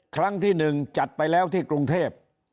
ครั้งที่๑จัดไปแล้วที่กรุงเทพ